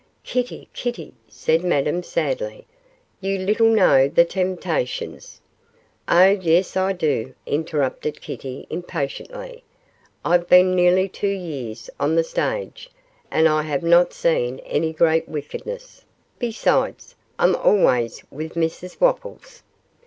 'Kitty! Kitty!' said Madame, sadly, 'you little know the temptations ' 'Oh! yes, I do,' interrupted Kitty, impatiently; 'I've been nearly two years on the stage, and I have not seen any great wickedness besides, I'm always with Mrs Wopples.